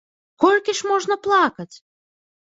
Колькі ж можна плакаць?